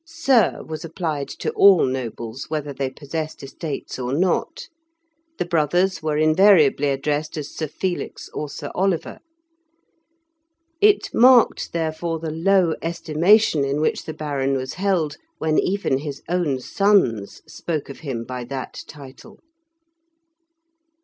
"Sir" was applied to all nobles, whether they possessed estates or not. The brothers were invariably addressed as Sir Felix or Sir Oliver. It marked, therefore, the low estimation in which the Baron was held when even his own sons spoke of him by that title.